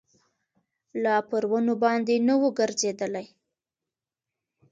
لا پر ونو باندي نه ووګرځېدلی